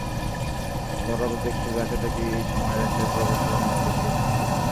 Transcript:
ওরা তো দেখছি যাকে-তাকেই এই সময়রেখায় প্রবেশের অনুমতি দিয়ে দিচ্ছে।